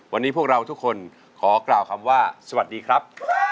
วันนี้พวกเราทุกคนขอกล่าวคำว่าสวัสดีครับ